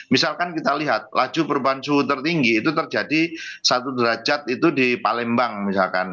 misalkan kita lihat laju perubahan suhu tertinggi itu terjadi satu derajat itu di palembang misalkan